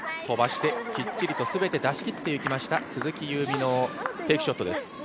飛ばしてきっちりと全て出し切っていきました、鈴木夕湖のテイクショットです。